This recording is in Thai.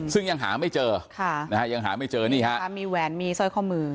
ซึ่งยังหาไม่เจอมีแวนมีซ่อยขอมือ